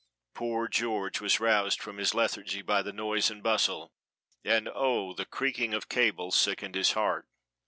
Poor George was roused from his lethargy by the noise and bustle; and oh, the creaking of cables sickened his heart.